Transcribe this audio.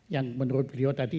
yang menurut beliau tadi